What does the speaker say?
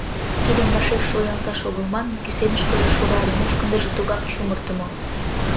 Кидым вашеш шуялташ огыл манын, кӱсенышкыже шурале, мушкындыжо тугак чумыртымо.